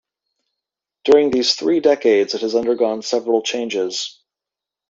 During these three decades it has undergone several changes.